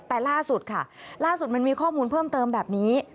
แต่ล่าสุดค่ะล่าสุดมันมีข้อมูลเพิ่มเติมแบบนี้